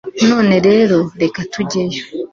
none rero, reka tujyeyo